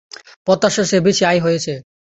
প্রত্যাশার চেয়ে বেশি আয় হয়েছে।